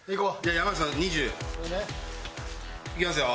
山内さん２０。いきますよ？